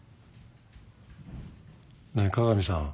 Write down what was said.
ねえ加賀美さん。